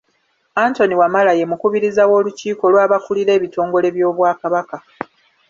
Anthony Wamala ye mukubiriza w'olukiiko lw'abakulira ebitongole by'Obwakabaka.